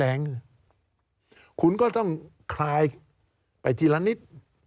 การเลือกตั้งครั้งนี้แน่